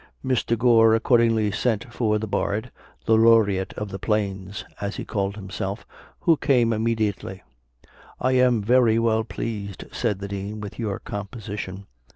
Mr. Gore accordingly sent for the bard, the Laureate of the Plains, as he called himself, who came immediately. "I am very well pleased," said the Dean, "with your composition.